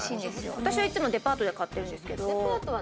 私はいつもデパートで買ってるんですけれど。